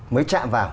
mới chạm vào